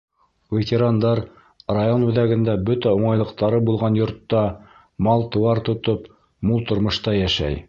Ветерандар район үҙәгендә бөтә уңайлыҡтары булған йортта, мал-тыуар тотоп, мул тормошта йәшәй.